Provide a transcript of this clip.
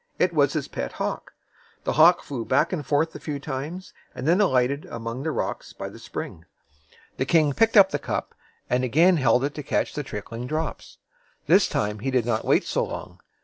It was his pet hawk. The hawk flew back and forth a few times, and then alighted among the rocks by the spring. The king picked up the cup, and again held it to catch the tric kling drops. This time he did not wait so long.